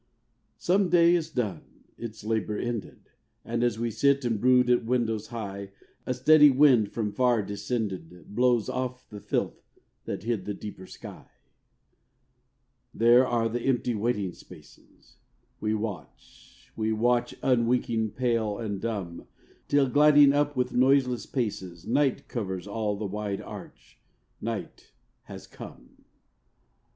Some day is done, its labour ended, And as we sit and brood at windows high, A steady wind from far descended, Blows off the filth that hid the deeper sky; There are the empty waiting spaces, We watch, we watch, unwinking, pale and dumb, Till gliding up with noiseless paces, Night covers all the wide arch: Night has come.